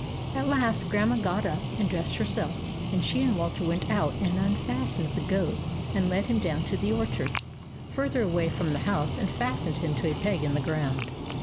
At last Grandma got up and dressed herself, and she and Walter went out and unfas tened the goat and led him down to the orchard, further away from the house, and fastened him to a peg in the ground.